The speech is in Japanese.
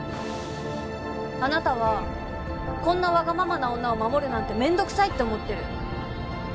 あなたはこんなわがままな女を護るなんて面倒くさいって思ってる。